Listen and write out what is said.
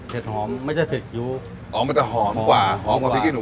เผ็ดหอมไม่ได้เผ็ดอยู่อ๋อมันจะหอมกว่าหอมกว่าพริกขี้หนู